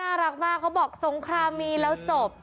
น่ารักมากเขาบอกสงครามมีแล้วจบ